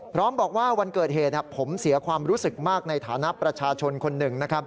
พร้อมบอกว่าวันเกิดเหตุผมเสียความรู้สึกมากในฐานะประชาชนคนหนึ่งนะครับ